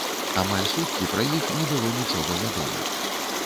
Амаль суткі пра іх не было нічога вядома.